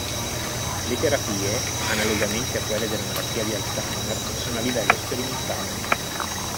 Le terapie, analogamente a quelle della malattia di Alzheimer, sono a livello sperimentale.